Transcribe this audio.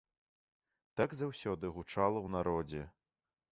Так заўсёды гучала ў народзе.